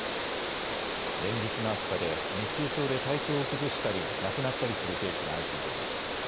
連日の暑さで熱中症で体調を崩したり亡くなったりするケースが相次いでいます。